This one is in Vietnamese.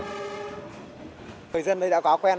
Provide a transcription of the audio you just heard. người dân đây đã quá quen